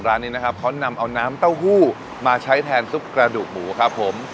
ร้านนี้นะครับเขานำเอาน้ำเต้าหู้มาใช้แทนซุปกระดูกหมูครับผม